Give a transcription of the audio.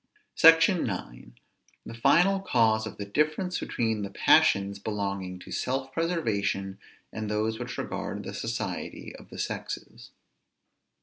SECTION IX. THE FINAL CAUSE OF THE DIFFERENCE BETWEEN THE PASSIONS BELONGING TO SELF PRESERVATION AND THOSE WHICH REGARD THE SOCIETY OF THE SEXES.